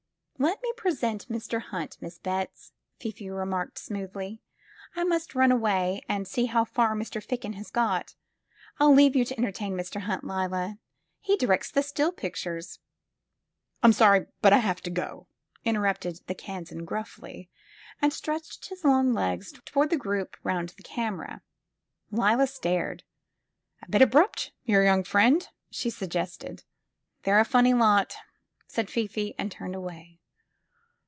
"Let me present Mr. Hunt, Miss Betts," Fifi remarked smoothly. "I must run away and see how far Mr. Ficken has got. I'll leave you to entertain Mr. Hunt, Leila; he directs the still pictures." "I'm sorry, but I have to go," interrupted the Kan san gruffly, and stretched his long legs toward the group round the camera. Leila stared. " A bit abrupt, your young friend T '' she suggested. 205 SQUARE PEGGY "They're a funny lot," said Fifi, and turned away.